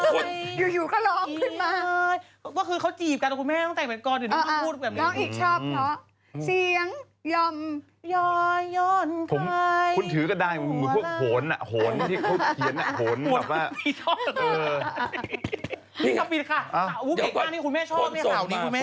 ก็คือเขาจีบกับคุณแม่ตั้งแต่ไปก่อนเดี๋ยวนายอุ้งพูดแบบ